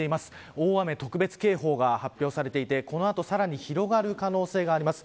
大雨特別警報が発表されていてこの後、さらに広がる可能性があります。